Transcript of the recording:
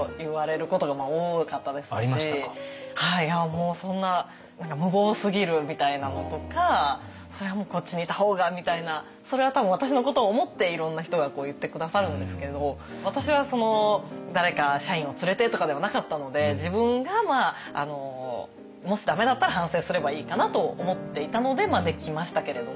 もうそんな何か無謀すぎるみたいなのとかそれはもうこっちにいた方がみたいなそれは多分私のことを思っていろんな人が言って下さるんですけど私は誰か社員を連れてとかではなかったので自分がもし駄目だったら反省すればいいかなと思っていたのでまあできましたけれども。